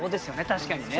確かにね。